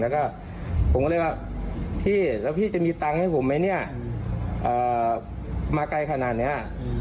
แล้วก็ผมก็เลยว่าพี่แล้วพี่จะมีตังค์ให้ผมไหมเนี่ยมาไกลขนาดนี้